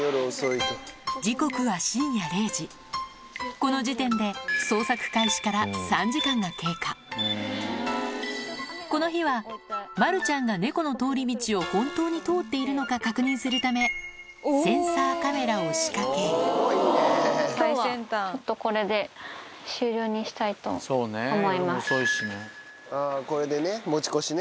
時刻は深夜０時この時点でこの日はまるちゃんが猫の通り道を本当に通っているのか確認するためセンサーカメラを仕掛けあぁこれでね持ち越しね。